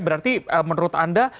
berarti menurut anda